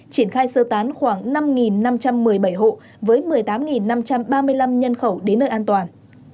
triển khai sơ tán khoảng năm năm trăm một mươi bảy hộ với một mươi tám năm trăm ba mươi năm nhân khẩu đến nơi an toàn